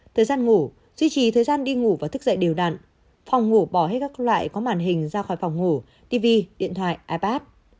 thời gian ngủ duy trì thời gian đi ngủ và thức dậy đều đặn phòng ngủ bỏ hết các loại có màn hình ra khỏi phòng ngủ tv điện thoại ipad